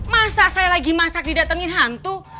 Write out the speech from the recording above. masa saya lagi masak didatengin hantu